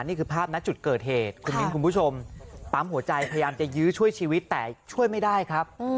นี่คือภาพณจุดเกิดเหตุคุณมิ้นคุณผู้ชมปั๊มหัวใจพยายามจะยื้อช่วยชีวิตแต่ช่วยไม่ได้ครับ